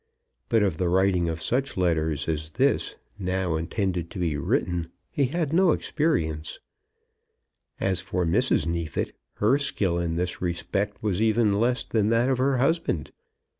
But of the writing of such letters as this now intended to be written he had no experience. As for Mrs. Neefit, her skill in this respect was less even than that of her husband.